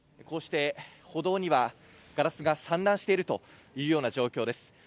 こうして歩道にはガラスが散乱している状況です。